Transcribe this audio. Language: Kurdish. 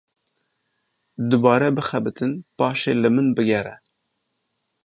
Dubare bixebitin paşê li min bigere.